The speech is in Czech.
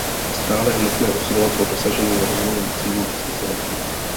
Stále je nutné usilovat o dosažení rozvojových cílů tisíciletí.